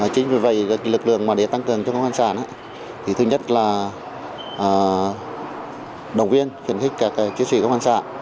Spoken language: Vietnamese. chính vì vậy lực lượng để tăng cường cho công an xã thứ nhất là đồng viên khiến khích các chiến sĩ công an xã